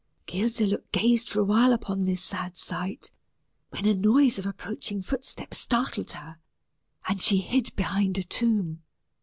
Guildeluec gazed for a while upon this sad sight, when a noise of approaching footsteps startled her, and she hid behind a tomb.